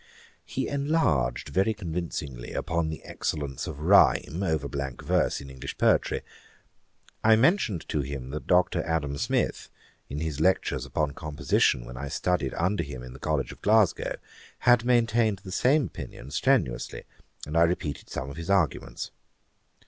He enlarged very convincingly upon the excellence of rhyme over blank verse in English poetry. I mentioned to him that Dr. Adam Smith, in his lectures upon composition, when I studied under him in the College of Glasgow, had maintained the same opinion strenuously, and I repeated some of his arguments.